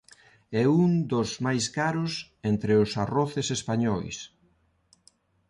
É un dos máis caros entre os arroces españois.